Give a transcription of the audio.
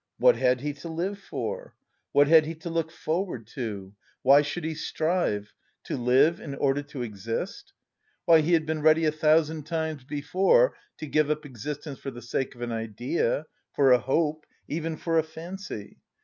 What had he to live for? What had he to look forward to? Why should he strive? To live in order to exist? Why, he had been ready a thousand times before to give up existence for the sake of an idea, for a hope, even for a fancy.